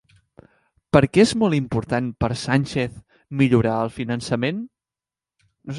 Per què és molt important per Sánchez millorar el finançament?